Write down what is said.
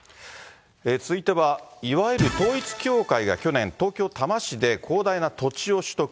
続いては、いわゆる統一教会が去年、東京・多摩市で広大な土地を取得。